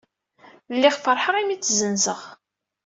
Lliɣ feṛḥeɣ imi i tt-zzenzeɣ.